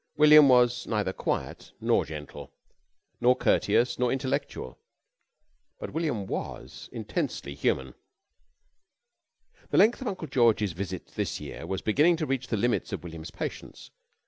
William was neither quiet nor gentle, nor courteous nor intellectual but William was intensely human. The length of Uncle George's visit this year was beginning to reach the limits of William's patience.